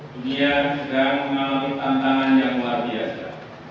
dunia sedang mengalami tantangan yang luar biasa